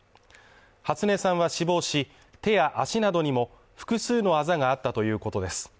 初音さんは死亡し、手や足などにも複数のあざがあったということです。